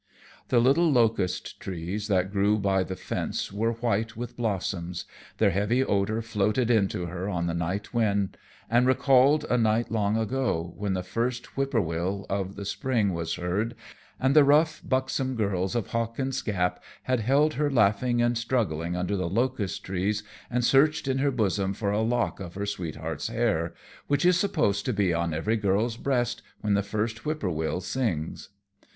The little locust trees that grew by the fence were white with blossoms. Their heavy odor floated in to her on the night wind and recalled a night long ago, when the first whip poor Will of the Spring was heard, and the rough, buxom girls of Hawkins Gap had held her laughing and struggling under the locust trees, and searched in her bosom for a lock of her sweetheart's hair, which is supposed to be on every girl's breast when the first whip poor Will sings.